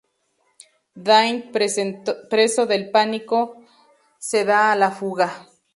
Dwight, preso del pánico, se da a la fuga.